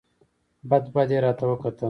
بد بد یې راته وکتل !